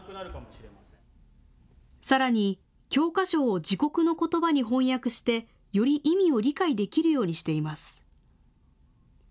さらに教科書を自国のことばに翻訳して、より意味を理解できるようにしています。